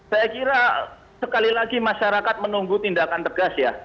saya kira sekali lagi masyarakat menunggu tindakan tegas ya